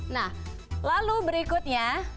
nah lalu berikutnya